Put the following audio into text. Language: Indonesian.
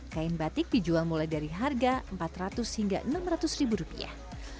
kain batik dijual mulai dari harga empat ratus hingga enam ratus ribu rupiah